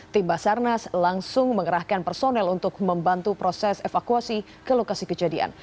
tim basarnas langsung mengerahkan personel untuk membantu proses evakuasi ke lokasi kejadian